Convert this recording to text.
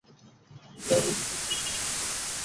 তাই বুঝি দিদিকে চিঠি লিখতে এত দেরি হয়?